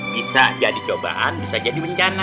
bisa jadi cobaan bisa jadi bencana